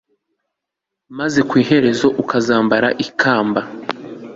maze ku iherezo akazambara ikamba